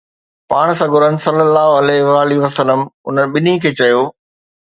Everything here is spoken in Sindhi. پاڻ سڳورن صلي الله عليه وآله وسلم انهن ٻنهي کي چيو